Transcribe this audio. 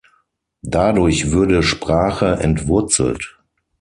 Dadurch würde Sprache entwurzelt.